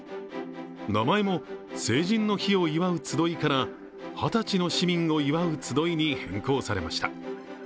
名前も、成人の日を祝うつどいから二十歳の市民を祝うつどいに変更されました。